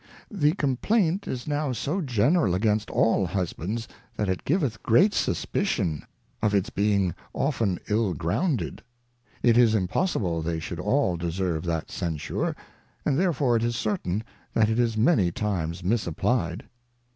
The Complaint is now so general against all Husbands, that it giveth great suspicion of its being often ill grounded ; it is impossible they should all deserve that Censure, and therefore it is certain, that it is many times misapplied.